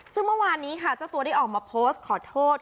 ซึ่งเมื่อวานนี้ค่ะเจ้าตัวได้ออกมาโพสต์ขอโทษ